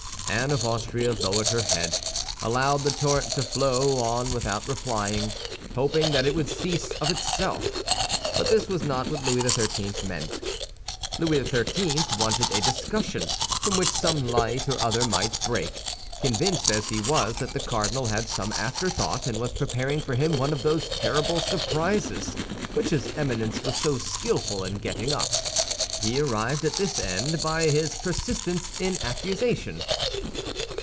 Anne of Austria lowered her head, allowed the torrent to flow on without replying, hoping that it would cease of itself; but this was not what Louis XIII. meant. Louis XIII. wanted a discussion from which some light or other might break, convinced as he was that the cardinal had some afterthought and was preparing for him one of those terrible surprises which his Eminence was so skillful in getting up. He arrived at this end by his persistence in accusation.